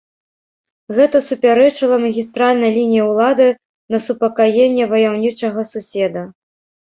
Гэта супярэчыла магістральнай лініі ўлады на супакаенне ваяўнічага суседа.